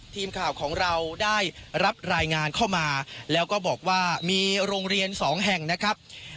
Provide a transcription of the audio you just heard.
ทีมข่าวของเราได้รับรายงานเข้ามาแล้วก็บอกว่ามีโรงเรียนสองแห่งนะครับ